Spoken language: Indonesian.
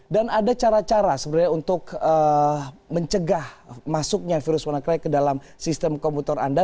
ada cara cara sebenarnya untuk mencegah masuknya virus wannacry ke dalam sistem komputer anda